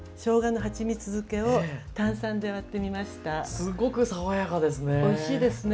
すごく爽やかですね！